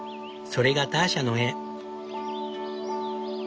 それがターシャの絵。